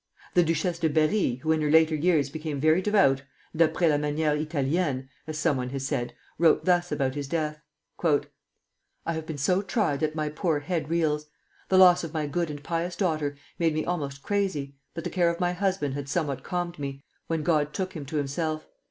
The Duchesse de Berri, who in her later years became very devout, d'après la manière Italienne, as somebody has said, wrote thus about his death: "I have been so tried that my poor head reels. The loss of my good and pious daughter made me almost crazy, but the care of my husband had somewhat calmed me, when God took him to himself.